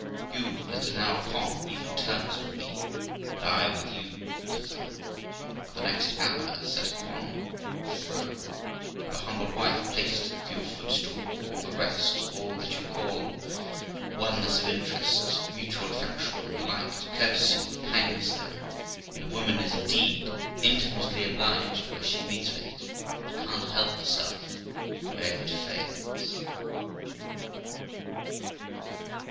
You, that are now upon even terms with me, and I with you', says I, 'are the next hour set up upon the throne, and the humble wife placed at your footstool; all the rest, all that you call oneness of interest, mutual affection, and the like, is courtesy and kindness then, and a woman is indeed infinitely obliged where she meets with it, but can't help herself where it fails.'